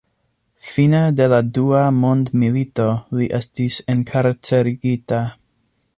Fine de la dua mondmilito li estis enkarcerigita.